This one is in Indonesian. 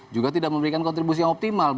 juga tidak memberikan kontribusi yang optimal